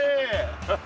ハハハ。